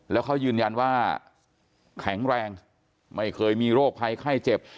แล้วเขายืนยันว่าแข็งแรงไม่เคยมีโรคภัยไข้เจ็บ